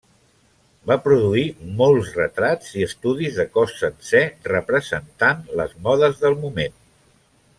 Va produir molts retrats i estudis de cos sencer representant les modes del moment.